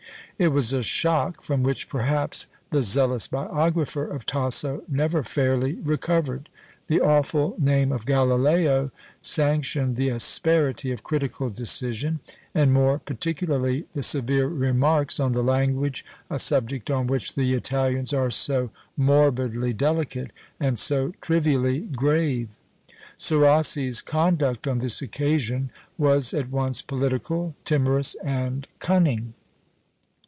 It was a shock from which, perhaps, the zealous biographer of Tasso never fairly recovered; the awful name of Galileo sanctioned the asperity of critical decision, and more particularly the severe remarks on the language, a subject on which the Italians are so morbidly delicate, and so trivially grave. Serassi's conduct on this occasion was at once political, timorous, and cunning.